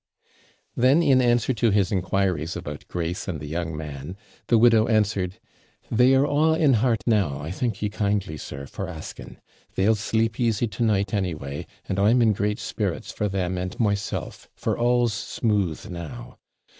Then, in answer to his inquiries about Grace and the young man, the widow answered, 'They are all in heart now, I thank ye kindly, sir, for asking; they'll sleep easy to night anyway, and I'm in great spirits for them and myself for all's smooth now.